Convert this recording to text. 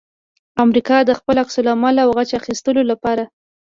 امریکا د خپل عکس العمل او غچ اخستلو لپاره